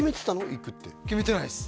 行くって決めてないです